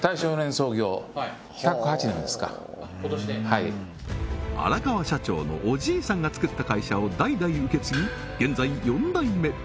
はい荒川社長のおじいさんが作った会社を代々受け継ぎ現在４代目